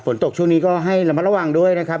ฝนตกช่วงนี้ก็ให้ระวังด้วยนะครับ